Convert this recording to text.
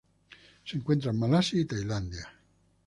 Se encuentra en Malasia y Tailandia.